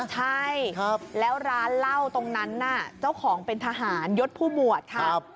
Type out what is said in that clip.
ใช่แล้วร้านเหล้าตรงนั้นน่ะเจ้าของเป็นทหารยศผู้บวชค่ะ